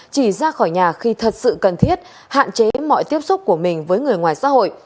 chỉ ra khỏi nhà khi thật sự cần thiết hạn chế mọi tiếp xúc của mình với người ngoài xã hội